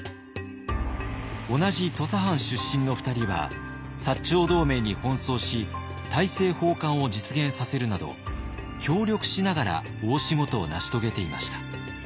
同じ土佐藩出身の２人は長同盟に奔走し大政奉還を実現させるなど協力しながら大仕事を成し遂げていました。